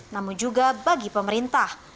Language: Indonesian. namun juga bagi pemerintah